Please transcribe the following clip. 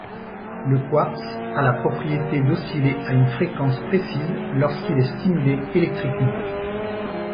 Le quartz a la propriété d'osciller à une fréquence précise lorsqu'il est stimulé électriquement.